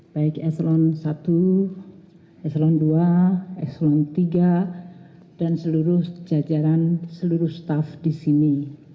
baik eselon i eselon ii eselon tiga dan seluruh jajaran seluruh staff di sini